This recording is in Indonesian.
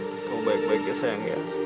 kamu baik baik ya sayang ya